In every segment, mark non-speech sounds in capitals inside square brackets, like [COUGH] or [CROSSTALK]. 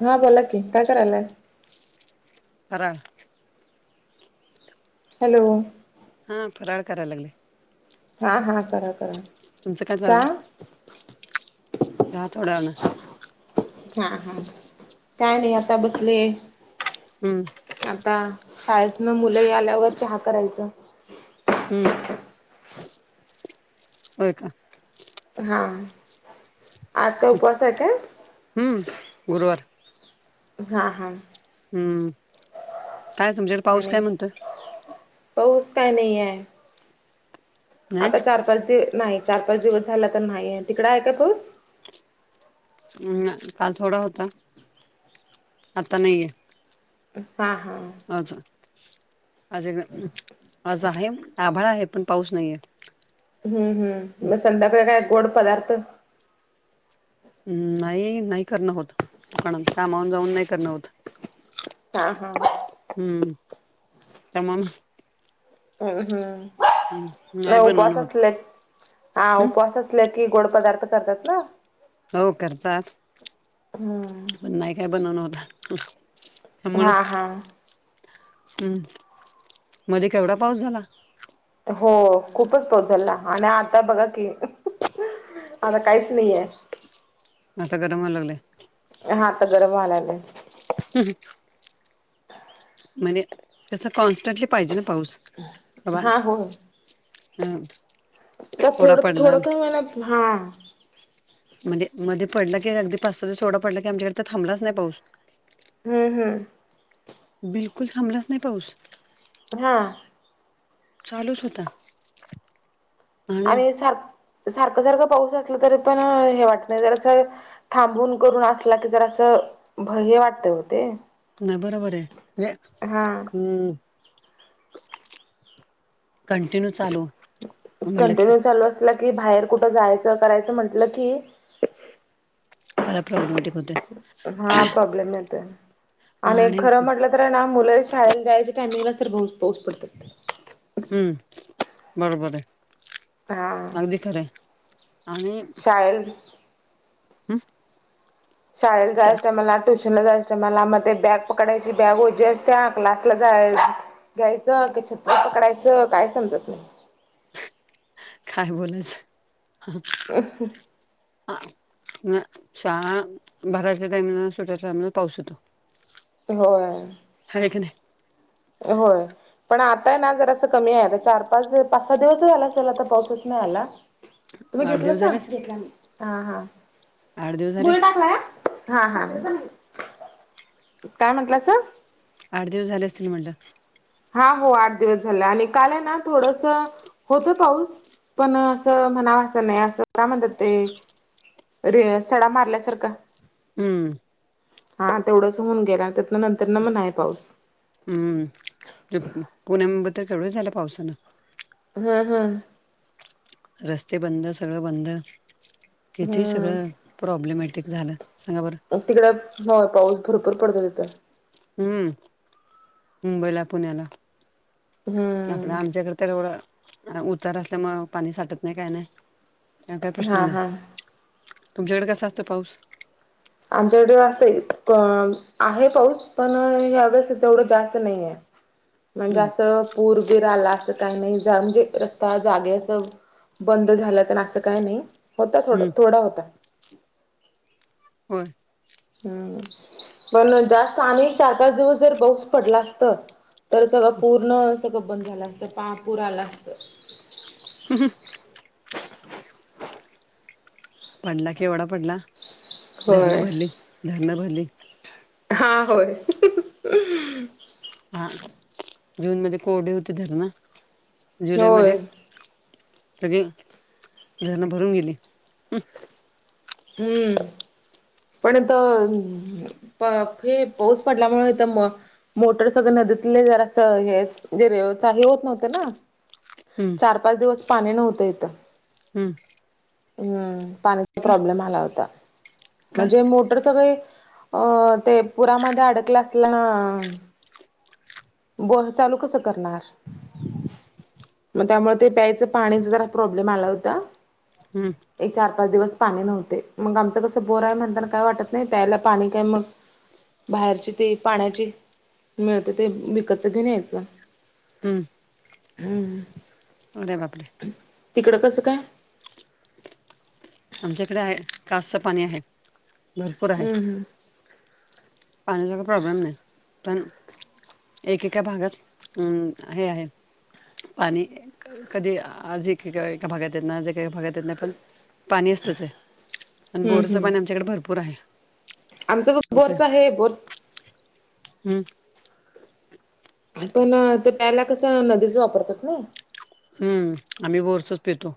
हा बोला की काय करायलाय फाराळ हॅलो हा फराळ करायला लागले. हा हा, करा करा. तुमचं काय चहा चाललं? चहा थोडा आणा. हा हा, काय नाही आता बसले. ह. आता शाळेसन मुलंही आल्यावर चहा करायचं. हम्म, होय का? हा, आज काय उपवास आहे काय? हम्म, गुरुवार. हा हा. हम्म, काय तुमच्याकडे पाऊस आणि काय म्हणतोय? पाऊस काय नाही आहे. नाही आता चार-पाच दिव नाही, चार-पाच दिवस झाल आता नाही आहे, तिकड आहे का पाऊस? हम्म. काल थोडा होता. आता नाहीये. ह हां. अच आज-आज आहे, आभाळा आहे, पण पाऊस नाहीे. हम्, हम्म, मग संध्याकाळी काय गोड पदार्थ. हम, नाही-नाही करणं होत, दुकानात कामाहून जाऊन नाही करणं होत. हा, हा. हम्म, तम. हम, हम्म, हम्म, म नाही बनवणं उपवास होत असेल हा हम्म उपवासा आ असलक की गोड पदार्थ करतात ना? हो करतात, हम्म पण नाही काय बनवन होत. त्यामुळे हा हा हम, मध्ये केवढा पाऊस झाला. हो खूपच पाऊस झाला, आणि आता बघा की. आता काहीच नाही आय. आता गरम व्हायला लागलेय. हा आता गरम व्हायला लागलय. हम्म, तस कॉन्स्टंटली पाहिजे ना पाऊस. भवान हा हो हम. तर थोडं-थोडं काय म्हना हा. म्हणजे मध्ये पडलं की, अगदी पाच-सहा दिवस थोडा पडला की, आमच्याकडे थांडलाच नाही पाऊस. हम्म, हम्म. बिलकुल थांबलाच नाही पाऊस. हा. चालूच होता. आणि सार सारखं सारखं पाऊस असल तरी पण हे वाटत नई जर असं थांबून करून असला की जर असं भय वाटतय ओ ते. नाही बरोबर रे हा [UNINTELLIGIBLE] हम्म. कंटिन्यू चालू. म्हटलं की कंटिन्यू चालू असलं की, बाहेर कुठं जायचं करायचं म्हटलं की फरा प्रॉब्लेमॅटिक होते. हा प्रॉब्लेम येतोय आणि खर म्हटलं तर ना मुलं शाळेला जायच्या टायमिंगला तर [UNINTELLIGIBLE] पाऊस पडत असतय. हम्म बरोबर आहे हा अगदी खरं आहे शाल हम. शाळेला जायचंय टायमाला. ट्युशनला जायचं टायमाला. मग ते बॅग पकडायची बॅग ओजी असत्या क्लासला जा घ्यायचं की छत्री पकडायच, काय समजत नई. काय बोलाच. हा. म शाळा भराच्या टाईमला, सुट्याच्या टामला पाऊस येतो. [INAUDIBLE] होय. हय का नाई? होय. पण आताय ना जर असं कमी आहेता चार पाच पाच सहा दिवस झाला चल तर पाऊसच नाही आला नाही तुम्ही आठ घेतलं दिवस स झाले असतील ह हा आठ दिवस झाले बुळी असतील टाकला या हा हा काय म्हटलं अस आठ दिवस झाले असतील ना म्हंटलं हा हो आठ दिवस झाला आणि काल आहे ना थोडस होतं पाऊस पण असं म्हणावा असं नाही असं काय म्हणतात ते रे सडा मारल्यासारखा. हम्म. हा तेवढच होऊन गेला त्यातन नंतर ना मण आहे पाऊस. हम्म पुण्या मुंबईत तर केवढं झालं पावसानं. हम् हम्म. रस्ते बंद. सगळं बंद किती सगळं हम्म प्रॉब्लेमॅटिक झालं सांगा बरं? तिकड पाऊस भरपूर पडतो तिथं. हम्म मुंबईला पुण्याला. आपण हम्म आमच्याकडे तर एवडं उतार असल्यामु पाणी साठत नाही काय नाही. काय हा प्रश्न नाही. हा तुमच्याकडे कसा असतं पाऊस? आमच्याकडे असतंय अं आहे पाऊस, पण या वेळेसच एवढं जास्त नाही आहे. [INAUDIBLE] म्हणजे असं पूर बीर आला असं काही नाही. जा म्हणजे रस्ता जागे असं बंद झालं तर असं काय नाही होता ड हम्म थोडा होता. होय. हम्म पण जास्त आणि चार पाच दिवस जर पाऊस पडला असत तर सगळं पूर्ण सगळं बंद झालं असतं. पा पूर आलं असतं. हम हम. पडला केवढा पडला. धरणं होय भरली. धरणं भरली. हा होय. हा जून मध्ये कोरडे होते धरण, होय जुलैमध्ये सगळे धरण भरून गेली ह. हम्म. पण आता प हे पाऊस पडल्यामुळे तर म मोटर सगळ नदीतले जरा हे ज ही होत नव्हते ना? हम्म चार पाच दिवस पाणी नव्हतं इथं. हम. हम्म. पाणीचा प्रॉब्लेम आला होता का म्हणजे मोटर सगळे अ ते पुरामध्ये अडकलं असलं ना ब चालू कसं करणार? मग त्यामुळे ते प्यायचं पाणीचा जरा प्रॉब्लेम आला होता. हम्. एक चार पाच दिवस पाणी नव्हते. मग आमचं कसं बोर आहे म्हणताना काय वाटत नाही प्यायला पाणी काय मग बाहेरचे ते पाण्याचे मिळते ते विकतच घेऊन यायचं हम् हम अरे बापरे! तिकडं कसं काय? आमच्याकडे आहेजास्त पाणी आहे भरपूर आहे. हम्म हम्म पाण्याचा प्रॉब्लेम नाही. एकेका भागात अम हे आहे. पाणी कधी आजी एका भागातना जे काही भागातना पण पाणी असतच आणि हम्म बोरचं हम्म पाणी आमच्याकडे भरपूर आहे. आमचं पण असं बोरच आहे. बोरच हम्म. पण तर पयला कसं नदीच वापरतात ना? हम्म आम्ही बोरचच पितो.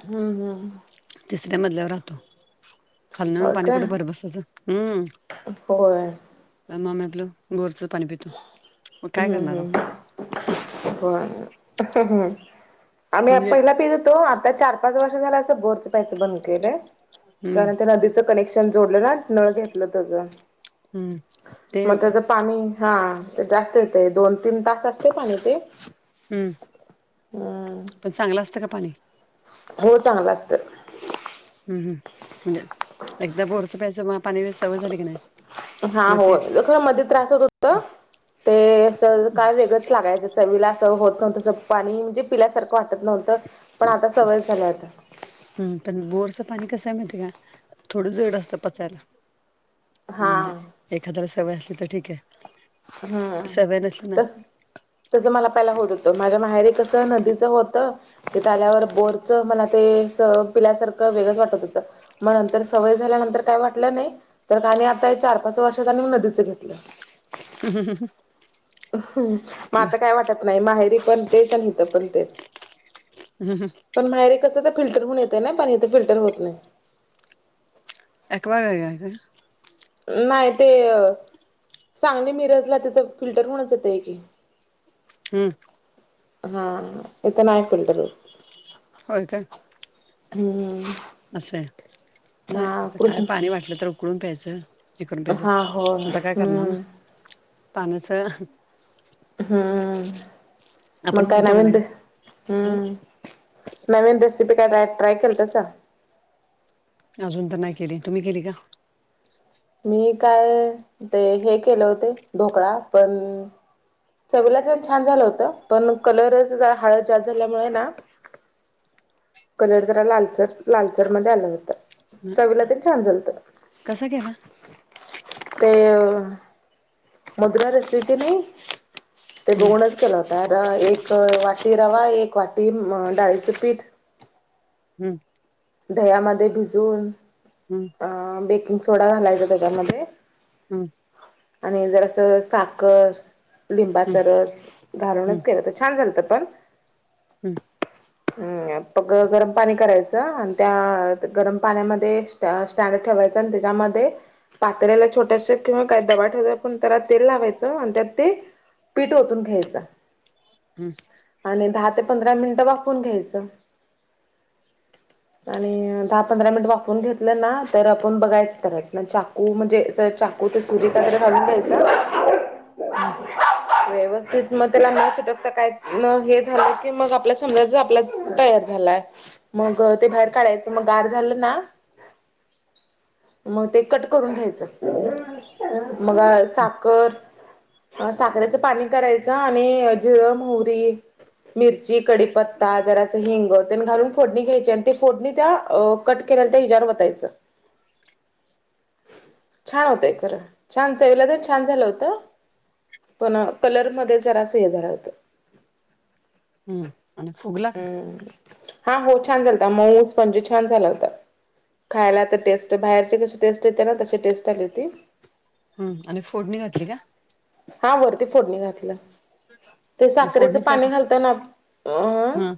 हम् हम. तिसऱ्या मजल्यावर राहतो. खालन आणून हो पाणी का कुठे भर बसयचं हम्म होय माम आपलं बोरचं पाणी पितो मग काय हम्म करणार हो. हम्म आम्ही म्हणजे पहिला पित होतो आता चार पाच वर्ष झा अस बोर बंद के हम्म त्या कनेक्शन जोडलं ना नळ घेतलं त्याच. हम्म ते पाणी हा जास्त येते दोन तीन तास असते पाणी ते. हम्म हम्म. पण चांगलं असतं का पाणी? हो चांगलं असतं. हम् हम म्हणजे एकदा बोरचं प्यास मग पाणी व सवय झाली की नाही. हा मग हो ते खरं मध्ये त्रास होत होता. ते असं काय वेगळंच लागायचं चवीला असं होत नाही तसं पाणी म्हणजे पिल्यासारखं वाटत नव्हतं पण आता सवय झालं होता. हम् पण बोअरचं पाणी कसय मिळत का थोडं जड असतं पचायला. म्हणजे हा एखाद्या सवय असली तर ठीक आहे. हम्म सवय नसली ना तस तसं मला पहिला होत होत माझ्या माहेरी कसं नदीचं होतं. ते आल्यावर बोरचं मला ते स पिल्यासारखं वेगळंच वाटत होतं मग नंतर सवय झाल्यानंतर काय वाटलं नाही. तर काने आता चार पाच वर्षातनी नदीचं घेतलं. हम हं ह हं आता काय वाटत नाही माहेरी पण तेच आणि इथ पण तेच. हा हा पण माहेरी कसं तर फिल्टर होऊ येते नाही पण इथे फिल्टर होत नाही. एक्वागार्ड आहे का? नाही ते सांगली मिरजला तिथं फिल्टर होऊनच येत आहे की. हम्म हा इथं नाही फिल्टर. होय काय? हम्म असंय नाही हा काय कृष्ण पाणी वाटलं तर उकळून प्यायचं. ही करून प्यायच हा हो आता काय करणार ना हम्म पाण्याच हम्म म आपण काय म्हणतो का नवींद्र नाही हम्म नवीनंद्र काय ट्रय केल तसा. अजून तर नाही केली तुम्ही केली का मी काय ते हे केलं होते ढोकळा पण चगलातण छान झालं होत पण कलरच हळद जास् झाल्यामुळे ना कलर जरा लालसर लालसर मध्ये आला होतं हं. चवीला ते छान लत कसा केला ते अ मधुरा रस की नाही ते हम्म बघूनच केलं होता एक वाटी रवा एक वाटी डाळीचं पीठ हम्म दह्यामध्ये भिजून हम् अ बेकिंग सोडा घालायचा त्याच्यामध्ये हम् आणि जर असं साखर हम्म लिंबाचा रस हम्म घालूनच केलं तर छान झालं तर पण हम् हम्म पग गरम पाणी करायचं आणि त्या गरम पाण्यामध्ये स्टँड ठेवायच आणि त्याच्यामध्ये पातळी्याला छोट्याश किंवा काही दबा ठेवत पण त्याला तेल लावायचं आणि त्या ते पीठ तून घ्यायचा हा आणि दहा ते पंधरा मिनिटं वापून घ्यायचं [INAUDIBLE] आणि दहा पंधरा मिनिट वापून घेतलं ना तर आपण बघायचं तरत ना कू म्हणजे अस चाकू ते सुरीत वगैरे घालून घ्यायचं [INAUDIBLE] व्यवस्थित मग त्याला म शटकत काय हे झालं की मग आपल्या समजाच आपला तयार झालाय मग ते बाहेर काढायचं मग गार झालं ना मग ते कट करून घ्यायचं मग हम्म साखर साखरेचं पाणी करायचं आणि जिरम हुरी मिरची कडीप पत्ता जराच हिंग त्यां घालून फोडणी घ्यायची आणि ते फोडणी त्या कट केल्याला त्या हिजवर वतायचं स छान होतंय खरं छान चवला तर छान झालं होतं पण कलर मध्ये जरा असं हे झालं होतं हम्म आणि फुगला का हम्म हा हो छान झाल होता मऊस म्हणजे छान झाला होता खायला तर टेस्ट बाहेरचे कशी टेस्ट येतते ना तशी टेस्ट आली होती हम आणि फोडणी घातली का हा वरती फोडणी घातलं ते मग साखरेचं फोडणीत काय पाणी केलं घालताना हम्म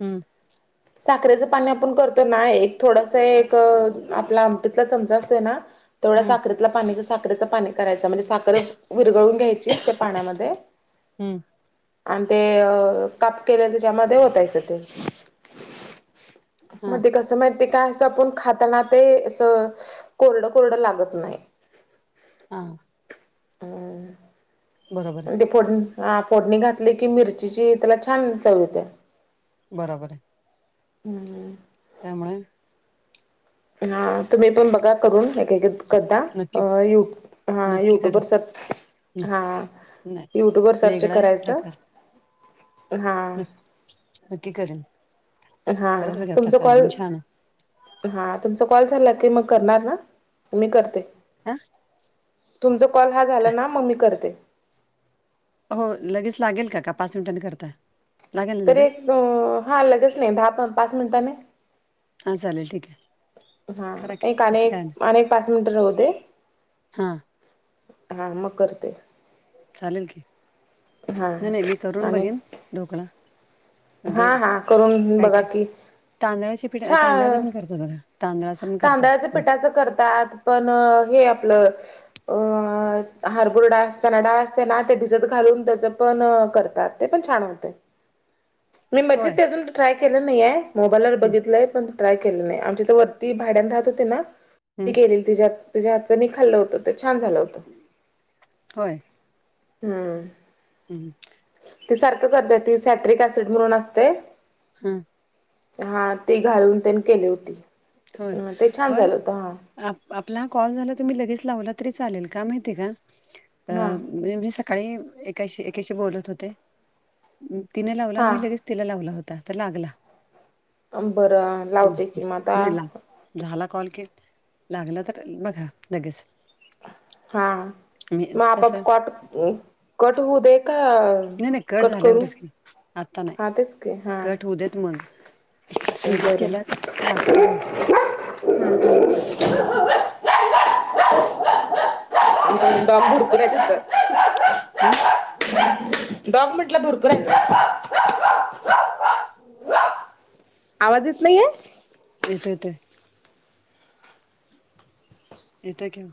हम्म साखरेचं पाणी आपण करतो ना एक थोडस एक आपला आमटीतला चमचा असतोय ना तेवढा हम्म साखरेतला पाणी साखरेचं पाणी करायच म्हणजे साखर विरगळून घ्यायची त्या पाण्यामध्ये हम्म आणि ते काप केल्या त्याच्यामध्ये होतायचं ते हा मग ते कसं माहि ते काय असं आपण खाताना ते अस कोरडं कोरडं लागत नाही हा हं बरोबर ते फोडणी फोडणी घातली की मिरचीची त्याला छान चव येते बरोबर आहे. हम्म त्यामुळे हा तुम्ही पण बघा करून एक का कदा नक्की नक्की युट्युब वर करेन सर्च नाही हा नाही युट्यूब वर सर्च वेगळा आहे करायचं प्रकार हा. नक्की करेन हा खरंच वेगळा तुमचा प्रकार कॉल एकदम छान आहे हा तुमचा कॉल झाला की मग करणार ना मी करते? हा तुमचा कॉल हा झाला का- ना मग मी करते हो लगेच लागेल का का पाच मिनिटां करता लागेल ना तरी लगेच एक हा लगेच नाही दहा पाच मिनिटांने हा चालेल ठीक आहे हा करा की एक तसं अनेक काय नाही अनेक पाच मिनिट राहु दे हा हा मग करते. चालेल की हा नाही नाही मी करून आणि बघेन ढोकळा अ हा हा करून काय बघा काय की तांदळाची पिठ तांदळाचा पण करतो बघा तांदळाचा पण करतात तांदळाच लोक. पिठाचं करतात पण हे आपलं अ हारभर हरभरा डाळ चाना डळा असते ना ते भिजत घालून त्याचं पण करतात. ते पण छान होते. [UNINTELLIGIBLE] मी होय मध्येजच अजून ट्राय केलं नाही आहे मोबाईलवर हम्म बघितलंय पण ट्राय केलं नाही आमच्या इथं वरती ती भाड्यान राहत होती ना ती हम्म गेलेली त तिच्या हातचं मी खाल्लं होत तर छान झालं होतं. होय हम्म हम्म ती सारखं करतेत ती सॅट्रिक ऍसिड म्हणून असते हम्म हा ते घालून त्यांनी केली होती. होय अ ते छान होय झालं होतं हां आपला ह कॉल झाला तुम्ही लगेच लावला तरी चालेल का माहितीय का हां सकाळी एकाशी एकाशी बोलत होते तिने लावला आणि मी लगेच हां तिला लावला होता तर लागला अं बरं लावते कि मग मिळला. आता झाला कॉल के लागला तर बघा लगेच. हा मी मग आप कसं कट कट होऊ दे का नाही नाही कट झाल्यावरच कि आता नाही. हां तेच की हां कट होऊ देत मग लगेच बरं केला तर लागतो बहुतेक हम् [UNINTELLIGIBLE] आमच्या डॉग भरपूर आहेत हम्म डॉग म्हटलं भरपूर आहे. आवाज येत नाहीये? येतो येतो येतो कि ओ